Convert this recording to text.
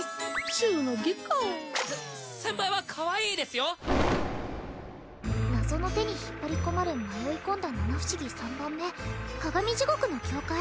中の下か先輩はかわいいですよ謎の手に引っ張り込まれ迷い込んだ七不思議三番目カガミジゴクの境界